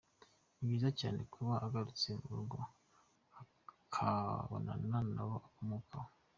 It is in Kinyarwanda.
Ni byiza cyane kuba agarutse mu rugo akabonana n’abo akomokaho.